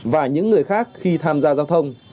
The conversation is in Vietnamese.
và những người khác khi tham gia giao thông